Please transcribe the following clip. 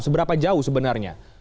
seberapa jauh sebenarnya